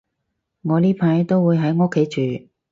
我呢排都會喺屋企住